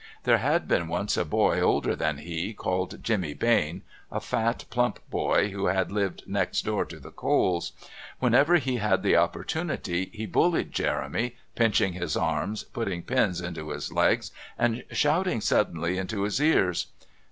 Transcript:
There had been once a boy, older than he, called Jimmy Bain, a fat, plump boy, who had lived next door to the Coles. Whenever he had the opportunity he bullied Jeremy, pinching his arms, putting pins into his legs, and shouting suddenly into his ears.